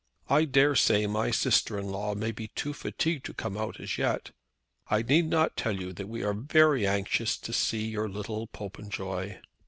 I dare say my sister in law may be too fatigued to come out as yet. I need not tell you that we are very anxious to see your little Popenjoy.